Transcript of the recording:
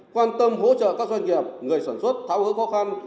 quan tâm hỗ trợ các doanh nghiệp người sản xuất thảo hứa khó khăn